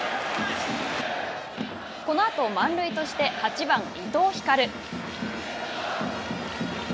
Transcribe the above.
このあと満塁として８番伊藤光。